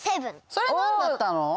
それなんだったの？